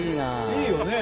いいよね。